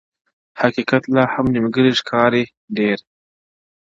• حقيقت لا هم نيمګړی ښکاري ډېر,